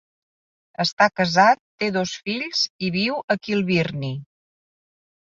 Està casat, té dos fills i viu a Kilbirnie.